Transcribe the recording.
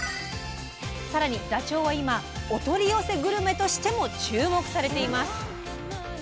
更にダチョウは今お取り寄せグルメとしても注目されています！